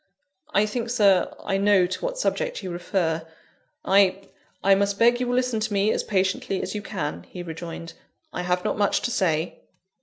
"I think, Sir, I know to what subject you refer. I " "I must beg you will listen to me as patiently as you can," he rejoined; "I have not much to say."